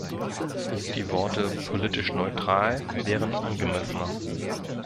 Die Worte "politisch neutral" wären angemessener.